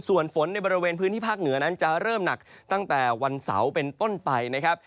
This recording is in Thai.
ส่วนฝนในบริเวณพื้นที่ภาคเหนือนั้นจะเริ่มหนักตั้งแต่วันเสาร์เป็นต้นไปนะครับ